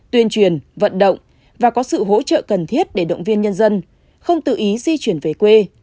tuyên truyền vận động và có sự hỗ trợ cần thiết để động viên nhân dân không tự ý di chuyển về quê